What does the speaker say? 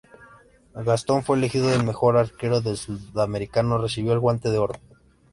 Gastón fue elegido el mejor arquero del Sudamericano, recibió el Guante de Oro.